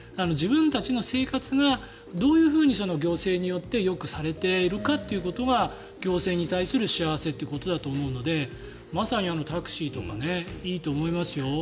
自分たちの生活がどういうふうに行政によってよくされているかということが行政に対する幸せだということだと思うのでまさにタクシーとかいいと思いますよ。